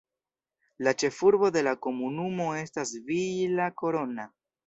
La ĉefurbo de la komunumo estas Villa Corona.